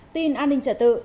tin an ninh trả tự